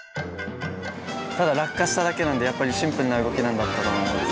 ただ落下しただけなんでやっぱりシンプルな動きだったと思います。